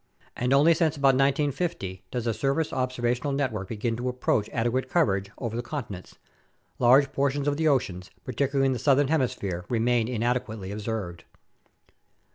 And only since about 1950 does the surface observational network begin to approach adequate coverage over the continents; large portions of the oceans, particularly in the southern hemisphere, remain inadequately observed.